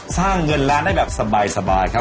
สร้างเงินล้านได้แบบสบายครับ